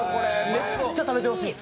めっちゃ食べてほしいです。